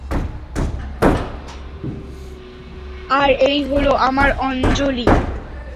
আর এই হলো আমার আঞ্জলি।